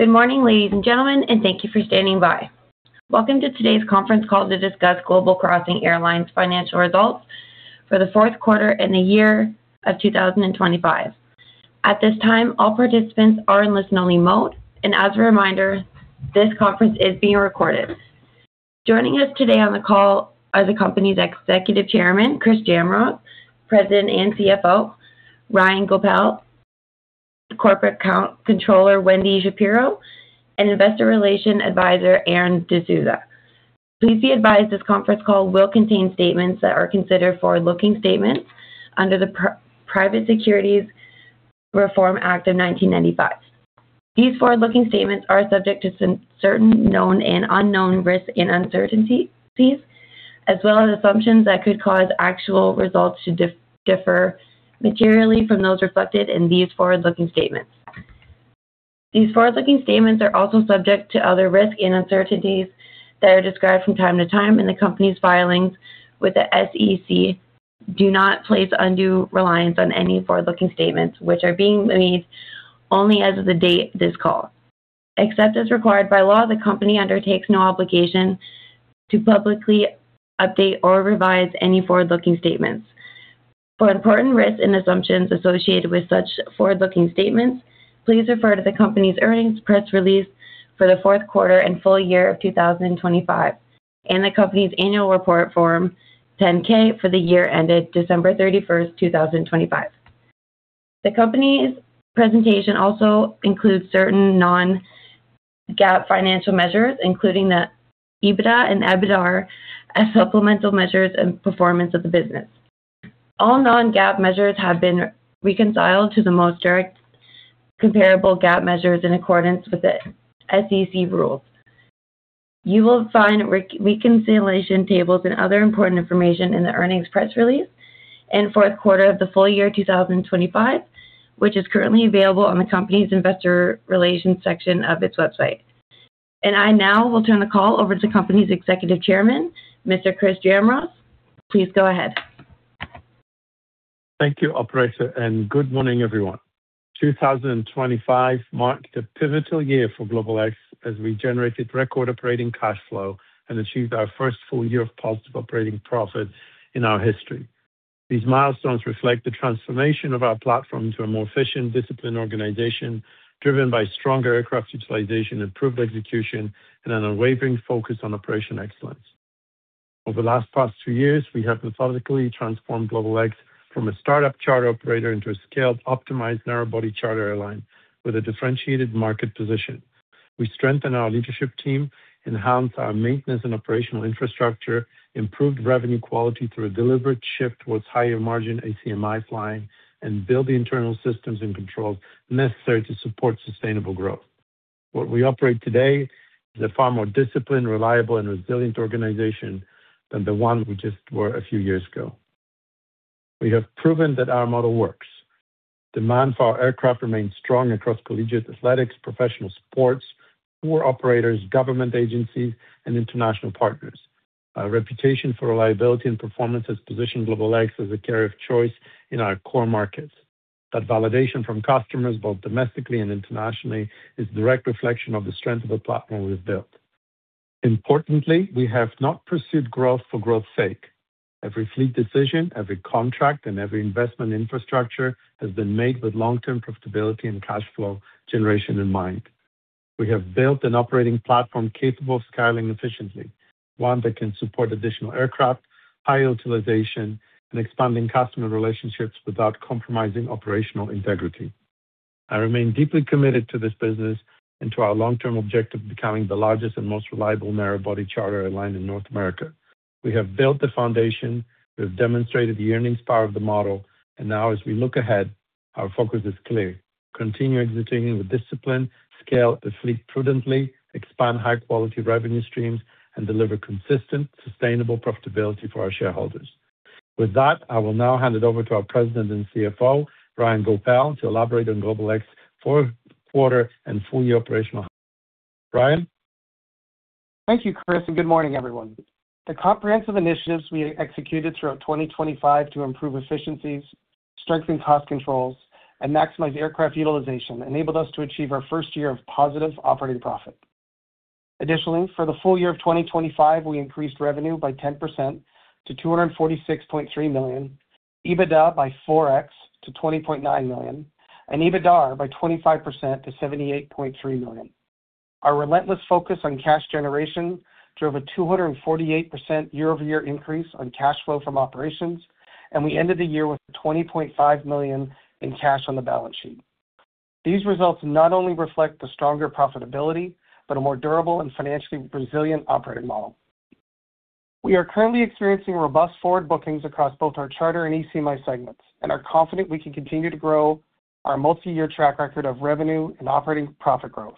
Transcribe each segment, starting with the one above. Good morning, ladies and gentlemen, thank you for standing by. Welcome to today's conference call to discuss Global Crossing Airlines Financial Results for The Fourth Quarter and The Year of 2025. At this time, all participants are in listen-only mode. As a reminder, this conference is being recorded. Joining us today on the call are the company's Executive Chairman, Chris Jamroz; President and CFO, Ryan Goepel; Corporate Controller, Wendy Shapiro; and Investor Relations Advisor, Aaron D'Souza. Please be advised this conference call will contain statements that are considered forward-looking statements under the Private Securities Reform Act of 1995. These forward-looking statements are subject to certain known and unknown risks and uncertainties, as well as assumptions that could cause actual results to differ materially from those reflected in these forward-looking statements. These forward-looking statements are also subject to other risks and uncertainties that are described from time to time in the company's filings with the SEC. Do not place undue reliance on any forward-looking statements which are being made only as of the date of this call. Except as required by law, the company undertakes no obligation to publicly update or revise any forward-looking statements. For important risks and assumptions associated with such forward-looking statements, please refer to the company's earnings press release for the fourth quarter and full year of 2025 and the company's annual report Form 10-K for the year ended December 31st, 2025. The company's presentation also includes certain non-GAAP financial measures, including the EBITDA and EBITDAR, as supplemental measures and performance of the business. All non-GAAP measures have been reconciled to the most direct comparable GAAP measures in accordance with the SEC rules. You will find re-reconciliation tables and other important information in the earnings press release and fourth quarter of the full year 2025, which is currently available on the company's investor relations section of its website. I now will turn the call over to company's Executive Chairman, Mr. Chris Jamroz. Please go ahead. Thank you, operator. Good morning, everyone. 2025 marked a pivotal year for GlobalX as we generated record operating cash flow and achieved our first full year of positive operating profit in our history. These milestones reflect the transformation of our platform into a more efficient, disciplined organization driven by stronger aircraft utilization, improved execution, and an unwavering focus on operational excellence. Over the last past two years, we have methodically transformed GlobalX from a start-up charter operator into a scaled, optimized narrow-body charter airline with a differentiated market position. We strengthened our leadership team, enhanced our maintenance and operational infrastructure, improved revenue quality through a deliberate shift towards higher-margin ACMI flying, and built the internal systems and controls necessary to support sustainable growth. What we operate today is a far more disciplined, reliable, and resilient organization than the one we just were a few years ago. We have proven that our model works. Demand for our aircraft remains strong across collegiate athletics, professional sports, tour operators, government agencies, and international partners. Our reputation for reliability and performance has positioned GlobalX as a carrier of choice in our core markets. That validation from customers, both domestically and internationally, is a direct reflection of the strength of the platform we've built. Importantly, we have not pursued growth for growth's sake. Every fleet decision, every contract, and every investment in infrastructure has been made with long-term profitability and cash flow generation in mind. We have built an operating platform capable of scaling efficiently, one that can support additional aircraft, high utilization, and expanding customer relationships without compromising operational integrity. I remain deeply committed to this business and to our long-term objective of becoming the largest and most reliable narrow-body charter airline in North America. We have built the foundation. We have demonstrated the earnings power of the model. Now, as we look ahead, our focus is clear: continue executing with discipline, scale the fleet prudently, expand high-quality revenue streams, and deliver consistent, sustainable profitability for our shareholders. With that, I will now hand it over to our President and CFO, Ryan Goepel, to elaborate on GlobalX's fourth quarter and full-year operational. Ryan. Thank you, Chris, and good morning, everyone. The comprehensive initiatives we executed throughout 2025 to improve efficiencies, strengthen cost controls, and maximize aircraft utilization enabled us to achieve our first year of positive operating profit. Additionally, for the full year of 2025, we increased revenue by 10% to $246.3 million, EBITDA by 4x to $20.9 million, and EBITDA by 25% to $78.3 million. Our relentless focus on cash generation drove a 248% year-over-year increase on cash flow from operations, and we ended the year with $20.5 million in cash on the balance sheet. These results not only reflect the stronger profitability, but a more durable and financially resilient operating model. We are currently experiencing robust forward bookings across both our charter and ACMI segments and are confident we can continue to grow our multi-year track record of revenue and operating profit growth.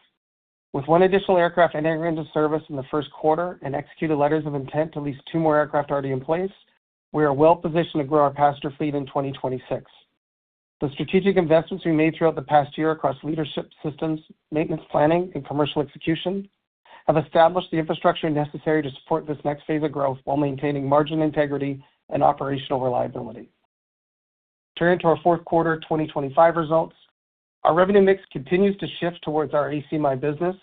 With one additional aircraft entering into service in the first quarter and executed letters of intent to lease two more aircraft already in place, we are well-positioned to grow our passenger fleet in 2026. The strategic investments we made throughout the past year across leadership systems, maintenance planning, and commercial execution have established the infrastructure necessary to support this next phase of growth while maintaining margin integrity and operational reliability. Turning to our fourth quarter 2025 results. Our revenue mix continues to shift towards our ACMI business,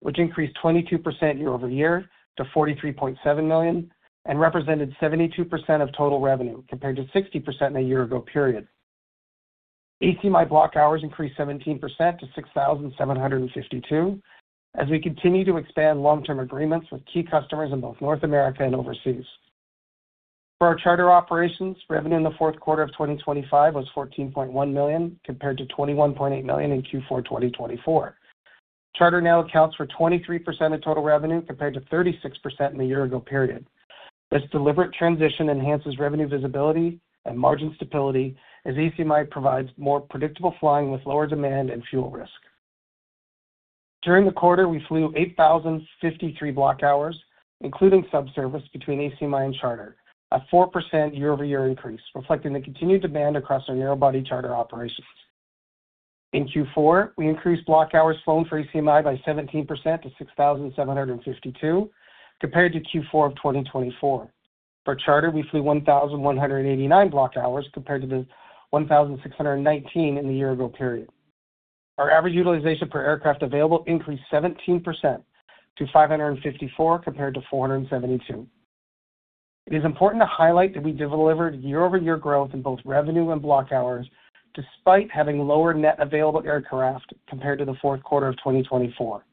which increased 22% year-over-year to $43.7 million, and represented 72% of total revenue compared to 60% in a year ago period. ACMI block hours increased 17% to 6,752 as we continue to expand long-term agreements with key customers in both North America and overseas. For our charter operations, revenue in the fourth quarter of 2025 was $14.1 million compared to $21.8 million in Q4 2024. Charter now accounts for 23% of total revenue compared to 36% in the year ago period. This deliberate transition enhances revenue visibility and margin stability as ACMI provides more predictable flying with lower demand and fuel risk. During the quarter, we flew 8,053 block hours, including sub service between ACMI and charter, a 4% year-over-year increase, reflecting the continued demand across our narrow-body charter operations. In Q4, we increased block hours flown for ACMI by 17% to 6,752 compared to Q4 of 2024. For charter, we flew 1,189 block hours compared to the 1,619 in the year-ago period. Our average utilization per aircraft available increased 17% to 554 compared to 472. It is important to highlight that we delivered year-over-year growth in both revenue and block hours despite having lower net available aircraft compared to the fourth quarter of 2024.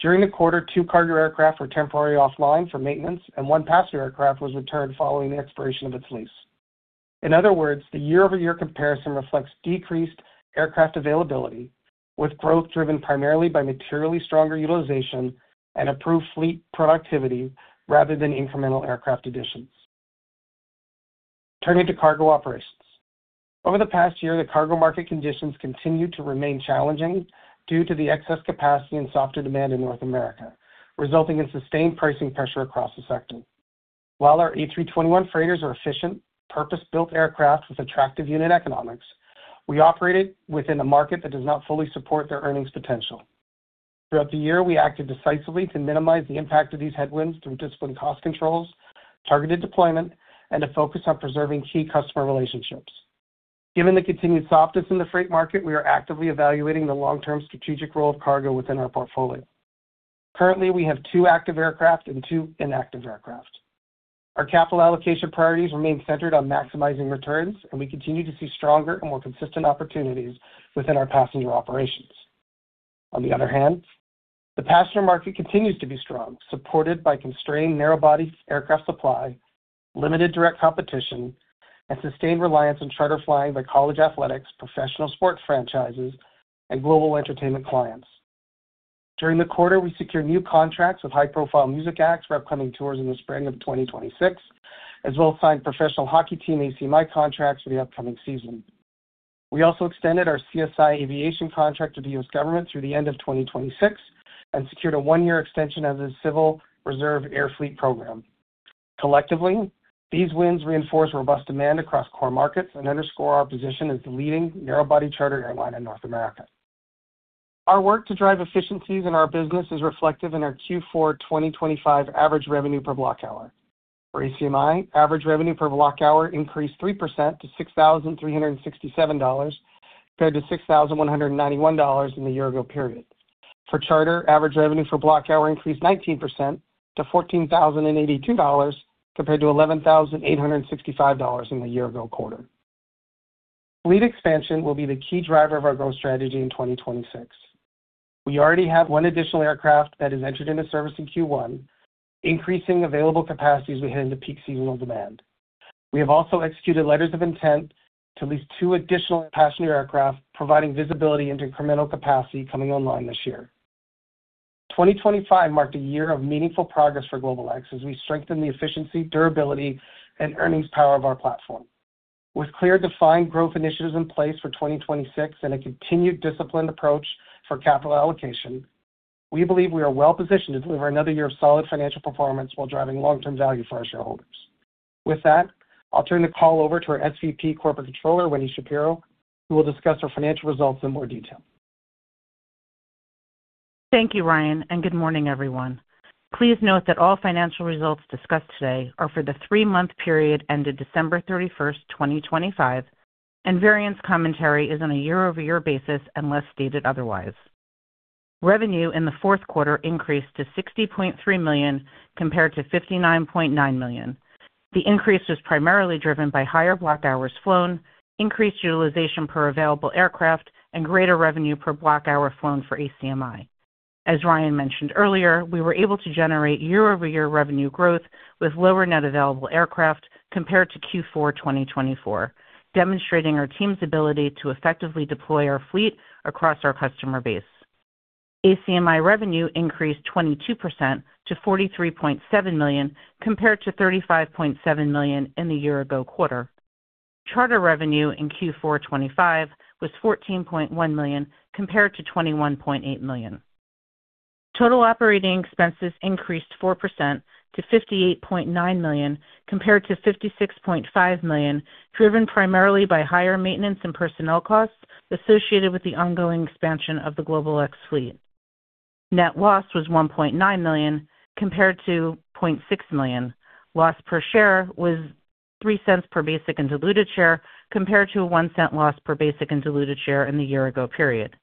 During the quarter, two cargo aircraft were temporarily offline for maintenance and one passenger aircraft was returned following the expiration of its lease. In other words, the year-over-year comparison reflects decreased aircraft availability with growth driven primarily by materially stronger utilization and improved fleet productivity rather than incremental aircraft additions. Turning to cargo operations. Over the past year, the cargo market conditions continue to remain challenging due to the excess capacity and softer demand in North America, resulting in sustained pricing pressure across the sector. While our A321 freighters are efficient, purpose-built aircraft with attractive unit economics, we operate within a market that does not fully support their earnings potential. Throughout the year, we acted decisively to minimize the impact of these headwinds through disciplined cost controls, targeted deployment, and a focus on preserving key customer relationships. Given the continued softness in the freight market, we are actively evaluating the long-term strategic role of cargo within our portfolio. Currently, we have two active aircraft and two inactive aircraft. Our capital allocation priorities remain centered on maximizing returns. We continue to see stronger and more consistent opportunities within our passenger operations. On the other hand, the passenger market continues to be strong, supported by constrained narrow-body aircraft supply, limited direct competition, and sustained reliance on charter flying by college athletics, professional sports franchises, and global entertainment clients. During the quarter, we secured new contracts with high-profile music acts for upcoming tours in the spring of 2026, as well as signed professional hockey team ACMI contracts for the upcoming season. We also extended our CSI Aviation contract to the U.S. government through the end of 2026 and secured a one-year extension of the Civil Reserve Air Fleet program. Collectively, these wins reinforce robust demand across core markets and underscore our position as the leading narrow-body charter airline in North America. Our work to drive efficiencies in our business is reflective in our Q4 2025 average revenue per block hour. For ACMI, average revenue per block hour increased 3% to $6,367 compared to $6,191 in the year ago period. For charter, average revenue for block hour increased 19% to $14,082 compared to $11,865 in the year ago quarter. Fleet expansion will be the key driver of our growth strategy in 2026. We already have one additional aircraft that is entered into service in Q1, increasing available capacity as we head into peak seasonal demand. We have also executed letters of intent to lease two additional passenger aircraft, providing visibility into incremental capacity coming online this year. 2025 marked a year of meaningful progress for GlobalX as we strengthen the efficiency, durability, and earnings power of our platform. With clear, defined growth initiatives in place for 2026 and a continued disciplined approach for capital allocation, we believe we are well-positioned to deliver another year of solid financial performance while driving long-term value for our shareholders. With that, I'll turn the call over to our SVP, Corporate Controller, Wendy Shapiro, who will discuss our financial results in more detail. Thank you, Ryan. Good morning, everyone. Please note that all financial results discussed today are for the three-month period ended December 31st, 2025, and variance commentary is on a year-over-year basis unless stated otherwise. Revenue in the fourth quarter increased to $60.3 million compared to $59.9 million. The increase was primarily driven by higher block hours flown, increased utilization per available aircraft, and greater revenue per block hour flown for ACMI. As Ryan mentioned earlier, we were able to generate year-over-year revenue growth with lower net available aircraft compared to Q4 2024, demonstrating our team's ability to effectively deploy our fleet across our customer base. ACMI revenue increased 22% to $43.7 million compared to $35.7 million in the year ago quarter. Charter revenue in Q4 2025 was $14.1 million compared to $21.8 million. Total operating expenses increased 4% to $58.9 million compared to $56.5 million, driven primarily by higher maintenance and personnel costs associated with the ongoing expansion of the GlobalX fleet. Net loss was $1.9 million compared to $0.6 million. Loss per share was $0.03 per basic and diluted share, compared to a $0.01 loss per basic and diluted share in the year-ago period.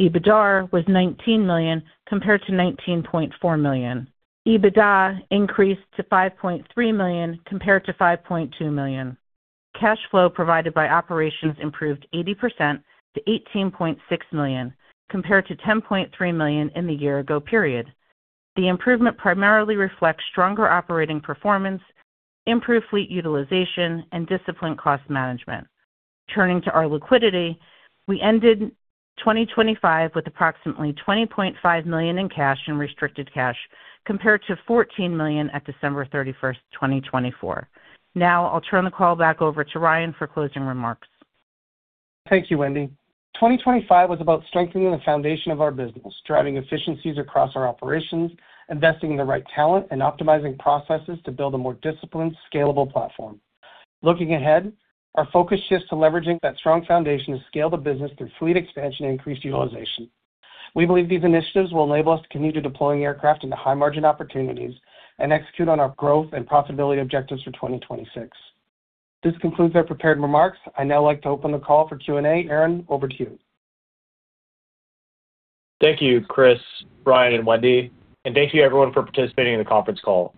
EBITDAR was $19 million compared to $19.4 million. EBITDA increased to $5.3 million compared to $5.2 million. Cash flow provided by operations improved 80% to $18.6 million, compared to $10.3 million in the year-ago period. The improvement primarily reflects stronger operating performance, improved fleet utilization, and disciplined cost management. Turning to our liquidity, we ended 2025 with approximately $20.5 million in cash and restricted cash compared to $14 million at December 31st, 2024. I'll turn the call back over to Ryan for closing remarks. Thank you, Wendy. 2025 was about strengthening the foundation of our business, driving efficiencies across our operations, investing in the right talent, and optimizing processes to build a more disciplined, scalable platform. Looking ahead, our focus shifts to leveraging that strong foundation to scale the business through fleet expansion and increased utilization. We believe these initiatives will enable us to continue deploying aircraft into high-margin opportunities and execute on our growth and profitability objectives for 2026. This concludes our prepared remarks. I'd now like to open the call for Q&A. Aaron, over to you. Thank you, Chris, Ryan, and Wendy. Thank you everyone for participating in the conference call.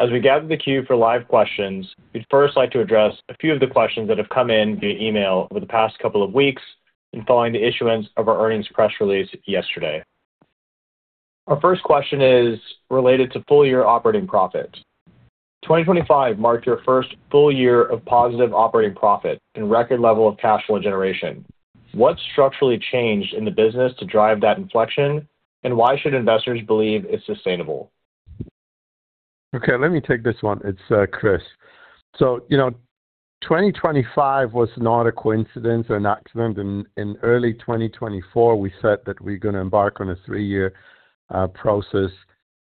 As we gather the queue for live questions, we'd first like to address a few of the questions that have come in via email over the past couple of weeks and following the issuance of our earnings press release yesterday. Our first question is related to full-year operating profit. 2025 marked your first full year of positive operating profit and record level of cash flow generation. What structurally changed in the business to drive that inflection, and why should investors believe it's sustainable? Okay, let me take this one. It's Chris. you know, 2025 was not a coincidence or an accident. In early 2024, we said that we're going to embark on a three-year process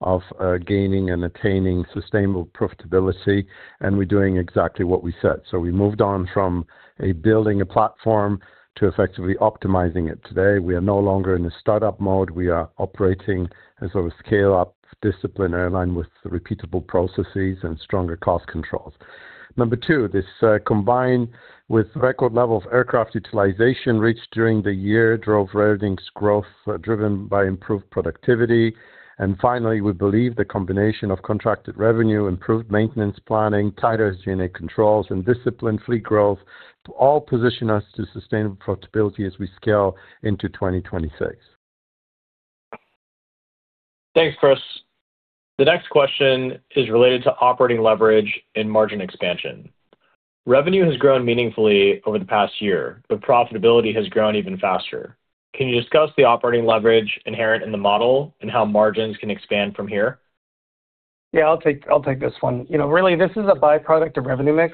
of gaining and attaining sustainable profitability, and we're doing exactly what we said. We moved on from a building a platform to effectively optimizing it. Today, we are no longer in a startup mode. We are operating as a scale-up discipline airline with repeatable processes and stronger cost controls. Number two, this combined with record level of aircraft utilization reached during the year drove earnings growth, driven by improved productivity. Finally, we believe the combination of contracted revenue, improved maintenance planning, tighter G&A controls, and disciplined fleet growth to all position us to sustainable profitability as we scale into 2026. Thanks, Chris. The next question is related to operating leverage and margin expansion. Revenue has grown meaningfully over the past year, but profitability has grown even faster. Can you discuss the operating leverage inherent in the model and how margins can expand from here? Yeah, I'll take this one. You know, really, this is a byproduct of revenue mix.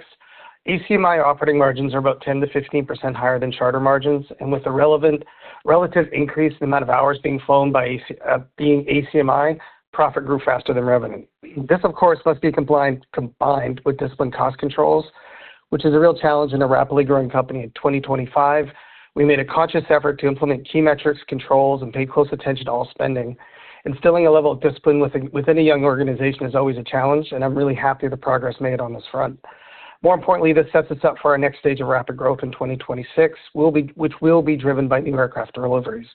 ACMI operating margins are about 10%-15% higher than charter margins, and with the relative increase in the amount of hours being flown by ACMI, profit grew faster than revenue. This, of course, must be combined with disciplined cost controls, which is a real challenge in a rapidly growing company. In 2025, we made a conscious effort to implement key metrics controls and pay close attention to all spending. Instilling a level of discipline with any young organization is always a challenge, and I'm really happy with the progress made on this front. More importantly, this sets us up for our next stage of rapid growth in 2026, which will be driven by new aircraft deliveries.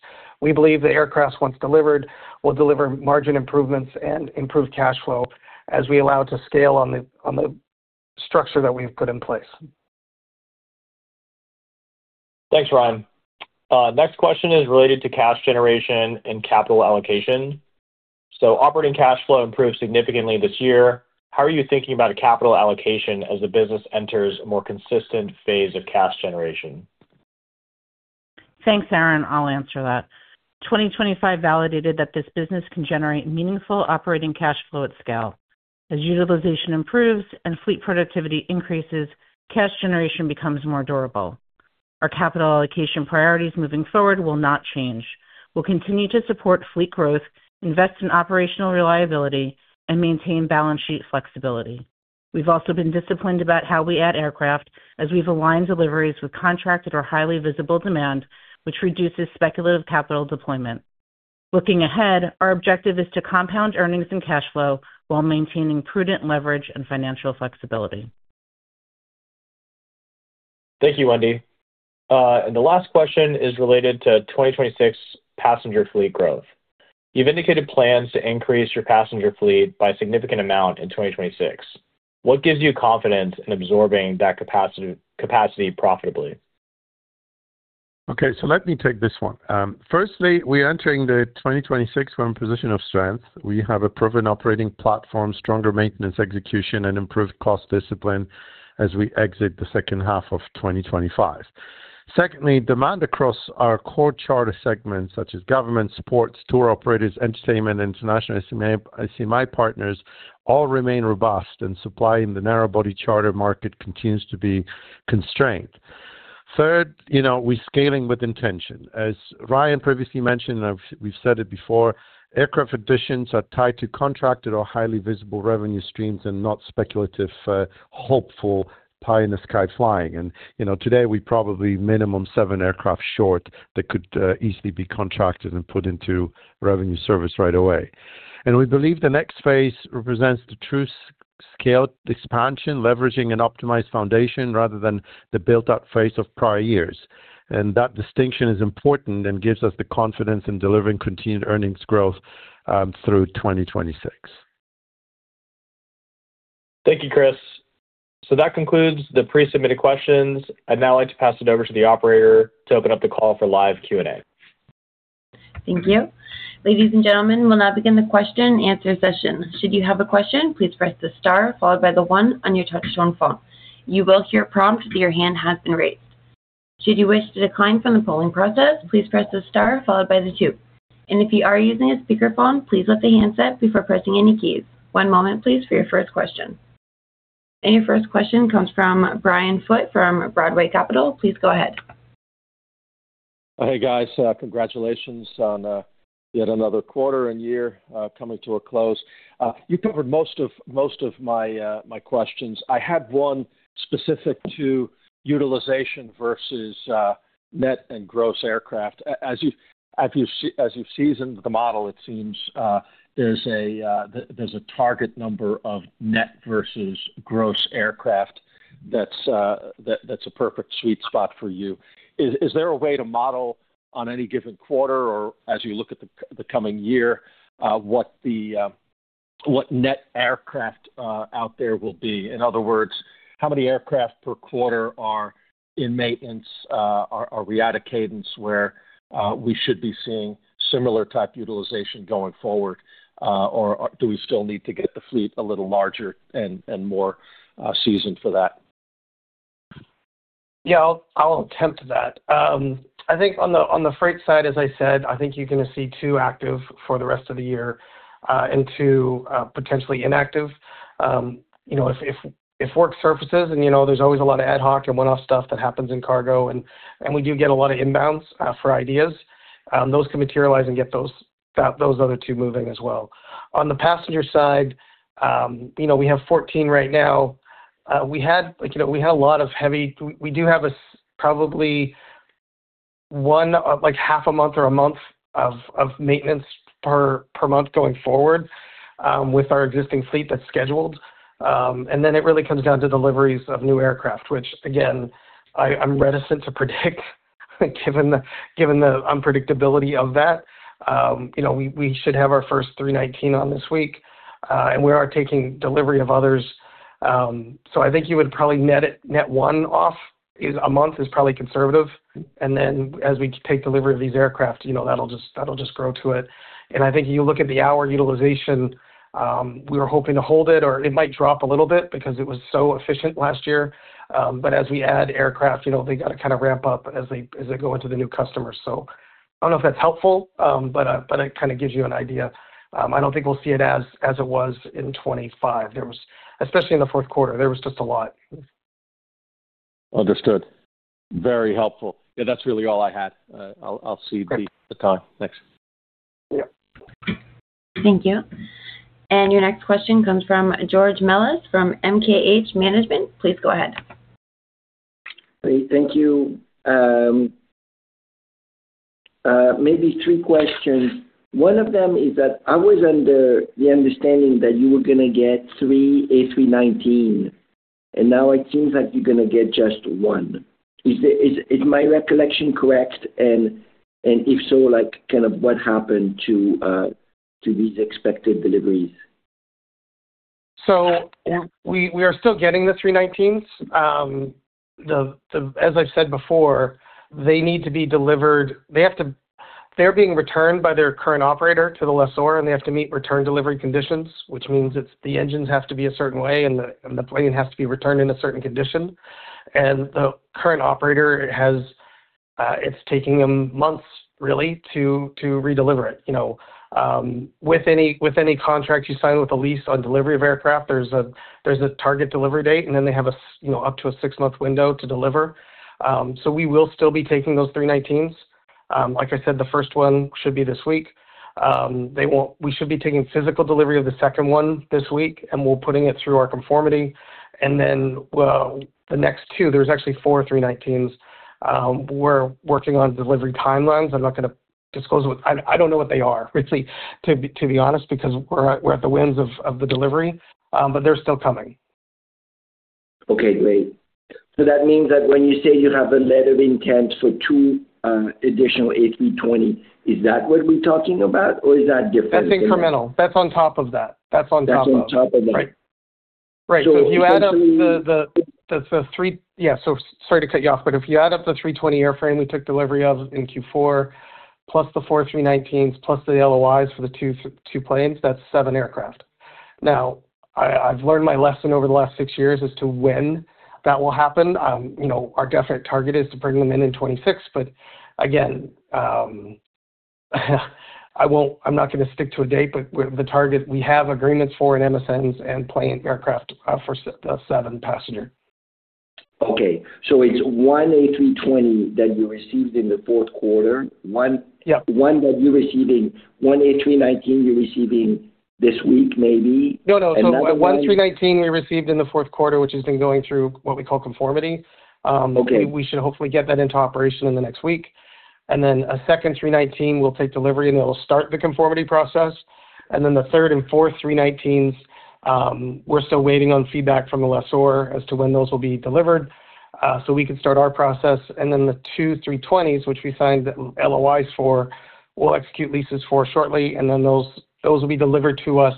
We believe the aircraft, once delivered, will deliver margin improvements and improved cash flow as we allow it to scale on the structure that we've put in place. Thanks, Ryan. Next question is related to cash generation and capital allocation. Operating cash flow improved significantly this year. How are you thinking about capital allocation as the business enters a more consistent phase of cash generation? Thanks, Aaron. I'll answer that. 2025 validated that this business can generate meaningful operating cash flow at scale. As utilization improves and fleet productivity increases, cash generation becomes more durable. Our capital allocation priorities moving forward will not change. We'll continue to support fleet growth, invest in operational reliability, and maintain balance sheet flexibility. We've also been disciplined about how we add aircraft as we've aligned deliveries with contracted or highly visible demand, which reduces speculative capital deployment. Looking ahead, our objective is to compound earnings and cash flow while maintaining prudent leverage and financial flexibility. Thank you, Wendy. The last question is related to 2026 passenger fleet growth. You've indicated plans to increase your passenger fleet by a significant amount in 2026. What gives you confidence in absorbing that capacity profitably? Let me take this one. Firstly, we're entering the 2026 from a position of strength. We have a proven operating platform, stronger maintenance execution, and improved cost discipline as we exit the second half of 2025. Secondly, demand across our core charter segments such as government supports, tour operators, entertainment, international ACMI partners all remain robust, supply in the narrow body charter market continues to be constrained. Third, you know, we're scaling with intention. As Ryan previously mentioned, we've said it before, aircraft additions are tied to contracted or highly visible revenue streams and not speculative, hopeful pie-in-the-sky flying. You know, today we're probably minimum 7 aircraft short that could easily be contracted and put into revenue service right away. We believe the next phase represents the true. Scale expansion, leveraging an optimized foundation rather than the built up phase of prior years. That distinction is important and gives us the confidence in delivering continued earnings growth, through 2026. Thank you, Chris. That concludes the pre-submitted questions. I'd now like to pass it over to the operator to open up the call for live Q&A. Thank you. Ladies and gentlemen, we'll now begin the question and answer session. Should you have a question, please press the star followed by the one on your touch tone phone. You will hear a prompt that your hand has been raised. Should you wish to decline from the polling process, please press the star followed by the two. If you are using a speakerphone, please lift the handset before pressing any keys. One moment, please, for your first question. Your first question comes from Brian Foote from Broadway Capital. Please go ahead. Hey, guys. Congratulations on yet another quarter and year coming to a close. You covered most of my questions. I had one specific to utilization versus net and gross aircraft. As you've seasoned the model, it seems, there's a target number of net versus gross aircraft that's a perfect sweet spot for you. Is there a way to model on any given quarter or as you look at the coming year, what net aircraft out there will be? In other words, how many aircraft per quarter are in maintenance? Are we at a cadence where we should be seeing similar type utilization going forward, or do we still need to get the fleet a little larger and more seasoned for that? Yeah, I'll attempt that. I think on the freight side, as I said, I think you're going to see two active for the rest of the year, two potentially inactive. You know, if work surfaces and, you know, there's always a lot of ad hoc and one-off stuff that happens in cargo, we do get a lot of inbounds for ideas, those can materialize and get those other two moving as well. On the passenger side, you know, we have 14 right now. We do have probably one, like half a month or a month of maintenance per month going forward, with our existing fleet that's scheduled. It really comes down to deliveries of new aircraft, which again, I'm reticent to predict given the unpredictability of that. You know, we should have our first A319 on this week, and we are taking delivery of others. I think you would probably net one off is a month is probably conservative. As we take delivery of these aircraft, you know, that'll just grow to it. I think you look at the hour utilization, we were hoping to hold it or it might drop a little bit because it was so efficient last year. As we add aircraft, you know, they got to kind of ramp up as they go into the new customers. I don't know if that's helpful, but it kind of gives you an idea. I don't think we'll see it as it was in 2025. Especially in the fourth quarter, there was just a lot. Understood. Very helpful. Yeah, that's really all I had. I'll cede the time. Thanks. Yeah. Thank you. Your next question comes from George Melas from MKH Management. Please go ahead. Great. Thank you. Maybe three questions. One of them is that I was under the understanding that you were going to get three A319, and now it seems like you're going to get just one. Is my recollection correct? If so, like kind of what happened to these expected deliveries? We are still getting the A319s. As I've said before, they need to be delivered. They're being returned by their current operator to the lessor, and they have to meet return delivery conditions, which means the engines have to be a certain way and the plane has to be returned in a certain condition. The current operator has, it's taking them months really to redeliver it. You know, with any contract you sign with a lease on delivery of aircraft, there's a target delivery date, and then they have, you know, up to a six-month window to deliver. We will still be taking those A319s. Like I said, the first one should be this week. we should be taking physical delivery of the second one this week, we're putting it through our conformity. The next two, there's actually four A319s, we're working on delivery timelines. I'm not going to disclose. I don't know what they are, richly, to be honest, because we're at the whims of the delivery. They're still coming. Okay, great. That means that when you say you have a letter of intent for two additional A320, is that what we're talking about or is that different? That's incremental. That's on top of that. That's on top of it. That's on top of that. Right. Right. Essentially. Yeah. Sorry to cut you off, if you add up the A320 airframe we took delivery of in Q4, plus the four A319s, plus the LOIs for the two planes, that's seven aircraft. I've learned my lesson over the last six years as to when that will happen. You know, our definite target is to bring them in in 2026. Again, I'm not going to stick to a date, but the target we have agreements for and MSNs and plane aircraft, for the seven passenger. Okay. it's one A320 that you received in the fourth quarter. Yeah. One A319 you're receiving this week maybe. No, no. And otherwise- One A319 we received in the fourth quarter, which has been going through what we call conformity. Okay. We should hopefully get that into operation in the next week. A second A319 will take delivery, and it'll start the conformity process. The third and fourth A319s, we're still waiting on feedback from the lessor as to when those will be delivered, so we can start our process. The two A320s, which we signed the LOIs for, we'll execute leases for shortly, and then those will be delivered to us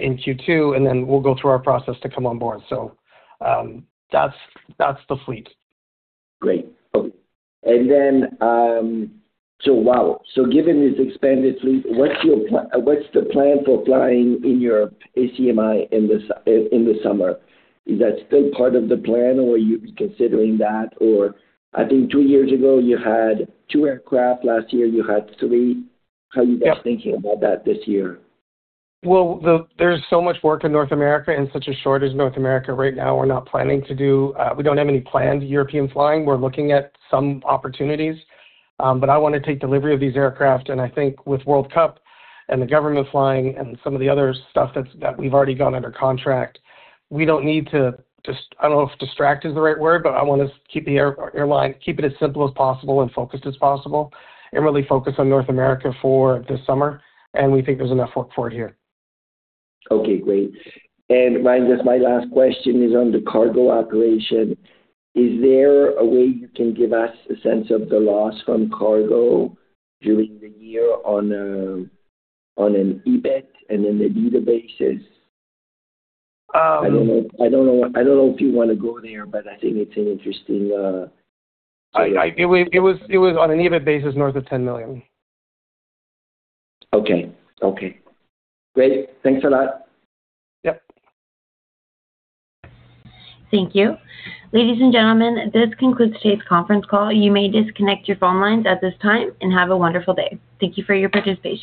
in Q2, and then we'll go through our process to come on board. That's the fleet. Great. Okay. wow. So given this expanded fleet, what's the plan for flying in Europe ACMI in the summer? Is that still part of the plan or you're considering that? I think two years ago you had two aircraft. Last year you had three. How are you guys thinking about that this year? There's so much work in North America and such a shortage in North America right now. We're not planning to do. We don't have any planned European flying. We're looking at some opportunities. I want to take delivery of these aircraft, and I think with World Cup and the government flying and some of the other stuff that's, that we've already gone under contract, we don't need to. I don't know if distract is the right word, but I want to keep the airline, keep it as simple as possible and focused as possible, and really focus on North America for the summer. We think there's enough work for it here. Okay, great. Ryan, just my last question is on the cargo operation. Is there a way you can give us a sense of the loss from cargo during the year on an EBIT and then EBITDA basis? I don't know, I don't know if you want to go there, but I think it's an interesting, so yeah. It was on an EBIT basis, north of $10 million. Okay. Okay. Great. Thanks a lot. Yep. Thank you. Ladies and gentlemen, this concludes today's conference call. You may disconnect your phone lines at this time, and have a wonderful day. Thank you for your participation.